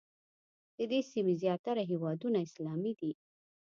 د دې سیمې زیاتره هېوادونه اسلامي دي.